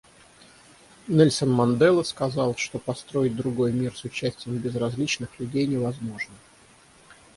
Нельсон Мандела сказал, что построить другой мир с участием безразличных людей невозможно.